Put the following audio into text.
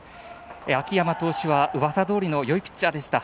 秋山投手はうわさどおりのいいピッチャーでした。